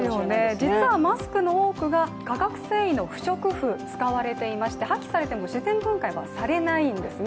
実はマスクの多くが化学繊維の不織布、使われてまして破棄されても自然分解はされないんですね。